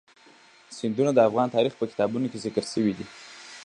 سیندونه د افغان تاریخ په کتابونو کې ذکر شوی دي.